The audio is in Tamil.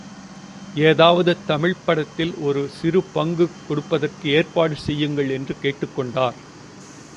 ஏதாவது தமிழ்ப் படத்தில் ஒரு சிறு சான்ஸ் கொடுப்பதற்கு ஏற்பாடு செய்யுங்கள் என்று கேட்டுக் கொண்டார்.